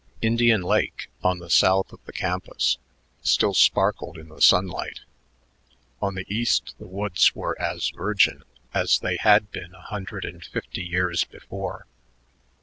Indian Lake, on the south of the campus, still sparkled in the sunlight; on the east the woods were as virgin as they had been a hundred and fifty years before.